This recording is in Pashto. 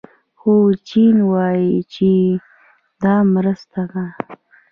خو چین وايي چې دا مرسته ده.